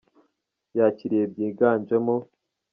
yakiriye bwiganjemo